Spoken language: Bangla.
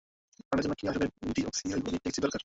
প্রাণের জন্য কী আসলেই ডিঅক্সিরাইবো নিউক্লিক এসিডই দরকার?